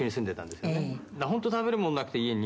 「ホント食べるもんなくて家に」